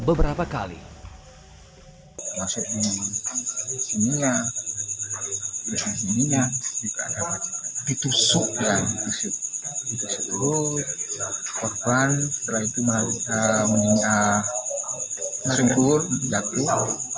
berapa kali maksudnya di sini di sini ditusuk korban setelah itu mendengar sungguh jatuh